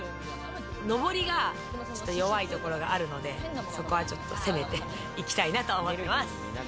上りがちょっと弱いところがあるので、そこはちょっと攻めていきたいなと思ってます。